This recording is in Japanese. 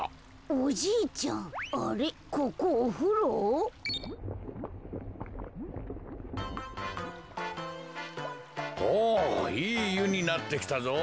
おいいゆになってきたぞ。